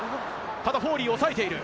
ただ、フォーリー、おさえている。